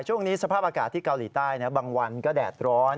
ช่วงนี้สภาพอากาศที่เกาหลีใต้บางวันก็แดดร้อน